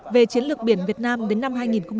về chiến lược biển việt nam đến năm hai nghìn ba mươi